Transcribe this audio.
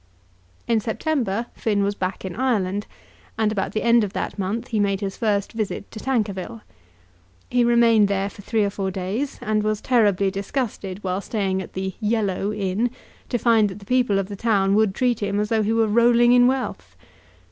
In September Finn was back in Ireland, and about the end of that month he made his first visit to Tankerville. He remained there for three or four days, and was terribly disgusted while staying at the "Yellow" inn, to find that the people of the town would treat him as though he were rolling in wealth.